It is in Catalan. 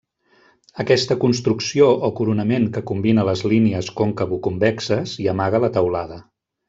Aquesta construcció o coronament que combina les línies concavoconvexes i amaga la teulada.